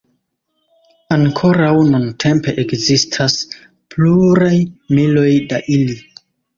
Ankoraŭ nuntempe ekzistas pluraj miloj da ili.